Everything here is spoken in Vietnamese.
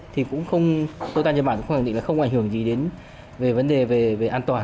thì cũng không tôi ta cho bạn cũng không hẳn định là không có ảnh hưởng gì đến vấn đề về an toàn